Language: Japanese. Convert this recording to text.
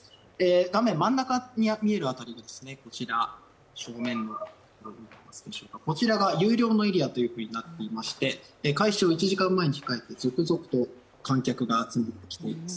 画面真ん中に見えるあたり、こちらが有料のエリアとなっていまして開始を１時間前に控えて、続々と観客が集まってきています。